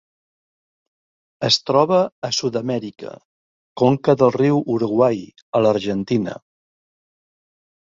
Es troba a Sud-amèrica: conca del riu Uruguai a l'Argentina.